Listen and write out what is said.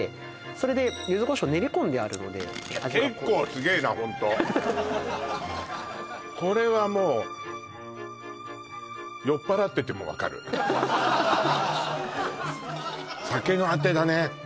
それでゆずこしょう練り込んであるので味が濃い結構すげえなホントこれはもう酔っぱらっててもわかるハハハハハ